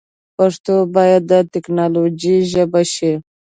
پښتو باید د ټیکنالوجۍ ژبه شي.